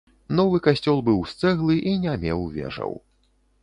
Новы касцёл быў з цэглы і не меў вежаў.